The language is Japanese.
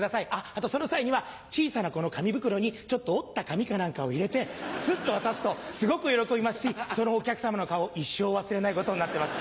あとその際には小さな紙袋にちょっと折った紙か何かを入れてスッと渡すとすごく喜びますしそのお客さまの顔一生忘れないことになってます。